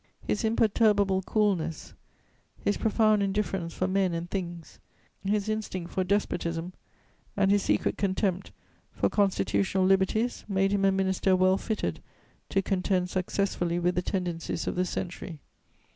His imperturbable coolness, his profound indifference for men and things, his instinct for despotism and his secret contempt for constitutional liberties made him a minister well fitted to contend successfully with the tendencies of the century.